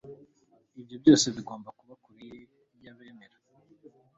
ibyo byose bigomba kuba kure y'abemera